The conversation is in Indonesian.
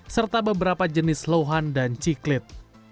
serta beberapa jenis lohan dan ciklit